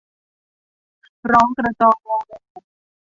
ร้องกระจองอแง